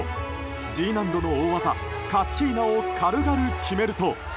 Ｇ難度の大技カッシーナを軽々決めると。